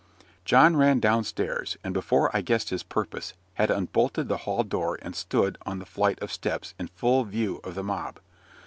John ran down stairs, and before I guessed his purpose, had unbolted the hall door, and stood on the flight of steps, in full view of the mob.